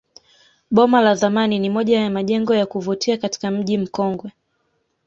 Boma la zamani ni moja ya majengo ya kuvutia katika mji mkongwe